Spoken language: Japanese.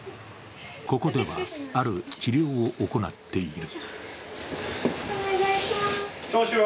ここではある治療を行っている。